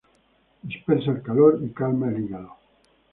Dispersa el calor y calma el hígado.